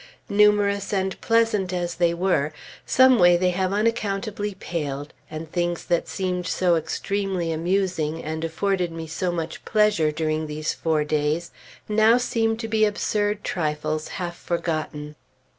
Numerous and pleasant as they were, some way they have unaccountably paled; and things that seemed so extremely amusing, and afforded me so much pleasure during these four days, now seem to be absurd trifles half forgotten.